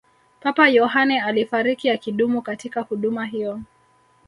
papa yohane alifariki akidumu katika huduma hiyo